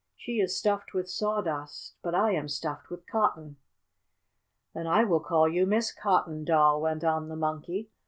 "She is stuffed with sawdust, but I am stuffed with cotton." "Then I will call you Miss Cotton Doll," went on the Monkey.